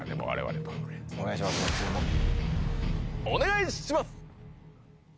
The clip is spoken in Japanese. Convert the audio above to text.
お願いします！